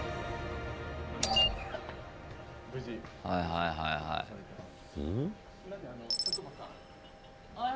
はいはいはいはい。